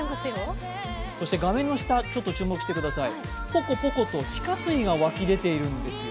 そして画面の下、注目してくださいポコポコと地下水が湧き出ているんですよ。